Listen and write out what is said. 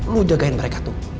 lo jagain mereka tuh